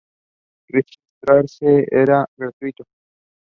It has high archaeological sensitivity.